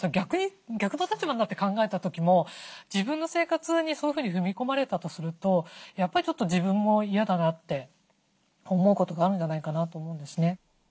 逆の立場になって考えた時も自分の生活にそういうふうに踏み込まれたとするとやっぱり自分も嫌だなって思うことがあるんじゃないかなと思うんですね。